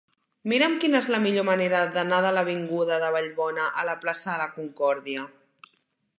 Mira'm quina és la millor manera d'anar de l'avinguda de Vallbona a la plaça de la Concòrdia.